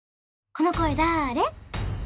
この声だーれ？